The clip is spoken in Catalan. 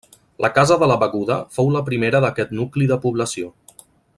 La casa de la Beguda fou la primera d'aquest nucli de població.